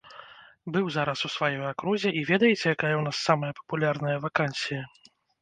Быў зараз у сваёй акрузе, і ведаеце, якая ў нас самая папулярная вакансія?